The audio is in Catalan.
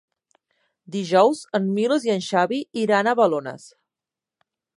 Dijous en Milos i en Xavi iran a Balones.